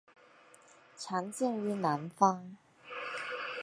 常见于南方。